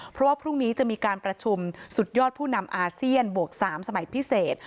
เพราะว่าพรุ่งนี้จะมีการประชุมสุดยอดผู้นำอาเซียนบวก๓สมัยพิเศษ